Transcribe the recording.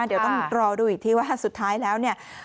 เดี๋ยวต้องรอดูอีกทีว่าถ้าสุดท้ายแล้ว